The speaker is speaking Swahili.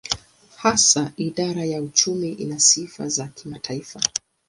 Hasa idara ya uchumi ina sifa za kimataifa.